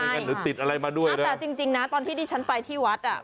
แต่ก็แล้วจริงอ่ะตอนที่ดิฉันไปที่วัดอะ